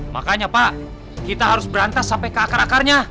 makanya pak kita harus berantas sampai ke akar akarnya